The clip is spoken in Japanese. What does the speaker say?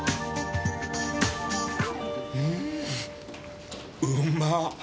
うんうまっ！